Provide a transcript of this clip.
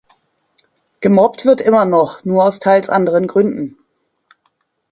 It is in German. Gemobbt wird immer noch, nur aus teils anderen Gründen.